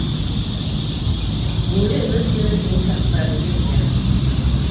Күңеле өмөт менән тулы саҡтар елгә осто.